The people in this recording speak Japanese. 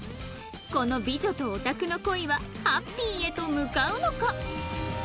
この美女とオタクの恋はハッピーへと向かうのか？